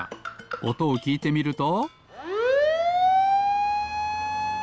おとをきいてみると。